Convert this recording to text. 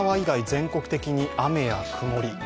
全国的に雨や曇り。